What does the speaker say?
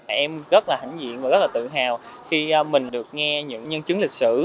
em rất là hãnh diện và rất là tự hào khi mình được nghe những nhân chứng lịch sử